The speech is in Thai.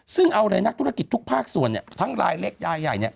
ซึ่งเอาเลยนักธุรกิจทุกภาคส่วนเนี่ย